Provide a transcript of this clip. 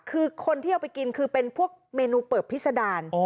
คือคนที่เอาไปกินคือเป็นพวกเมนูเปิบพิษดาร